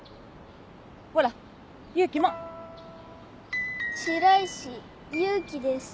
ほら勇気も白石勇気です